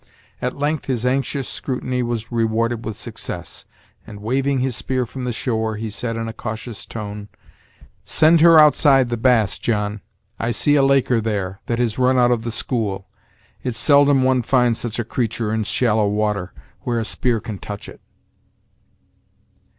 At length his anxious scrutiny was rewarded with success, and, waving his spear from the shore, he said in a cautious tone: "Send her outside the bass, John; I see a laker there, that has run out of the school. It's seldom one finds such a creatur' in shallow water, where a spear can touch it."